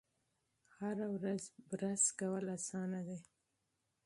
هره ورځ برس کول اسانه دي.